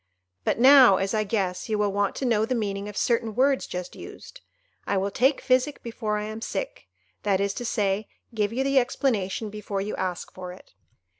But now, as I guess, you will want to know the meaning of certain words just used; I will take physic before I am sick—that is to say, give you the explanation before you ask for it.